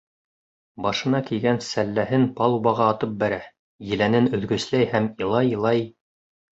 Башына кейгән сәлләһен палубаға атып бәрә, еләнен өҙгөсләй һәм илай-илай: